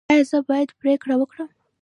ایا زه باید پریکړه وکړم؟